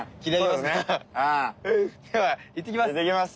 ではいってきます！